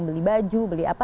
beli baju beli apa